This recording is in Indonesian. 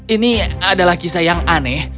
ini adalah kisah yang aneh